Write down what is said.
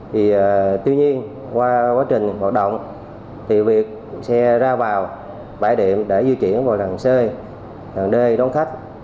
thì tuy nhiên qua quá trình hoạt động thì việc xe ra vào bãi điểm để di chuyển vào làng c làng d đón khách